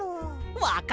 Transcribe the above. わかった！